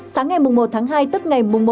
sáng ngày một tháng hai tức ngày một tháng hai